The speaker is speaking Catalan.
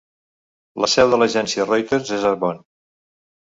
La seu de l'agència Reuters és a Bonn.